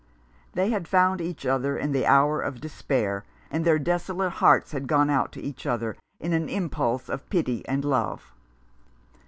They had found each other in the hour of despair, and their desolate hearts had gone out to each other in an impulse of pity and love.